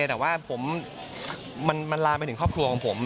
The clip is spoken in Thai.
แต่ว่ามันลามไปถึงครอบครัวของผม